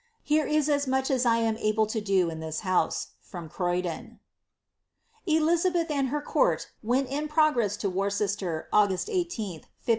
Here is as much as I am able to do in this liouse. From Croyilon."' Elizabeth and her court went in progress to Worcester, August 18ll 1574.